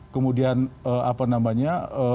kemudian apa namanya